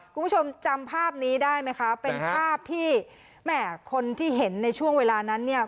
คุณผู้ชมจำภาพนี้ได้ไหมคะเป็นภาพที่แม่คนที่เห็นในช่วงเวลานั้นเนี่ย